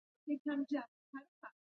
غوښې د افغانستان د اقتصاد برخه ده.